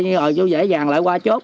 như rồi vô dễ dàng lợi qua chốt